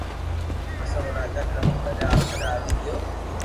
پسي او راجا ڪنو گھري آپري آوي گيو